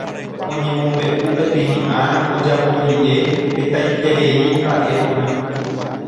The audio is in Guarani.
Oñemombe'u peteĩ ára ojapo rire hetaiterei mba'e porã